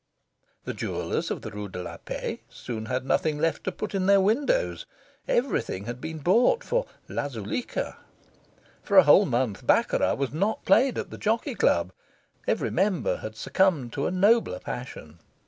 The jewellers of the Rue de la Paix soon had nothing left to put in their windows everything had been bought for "la Zuleika." For a whole month, baccarat was not played at the Jockey Club every member had succumbed to a nobler passion.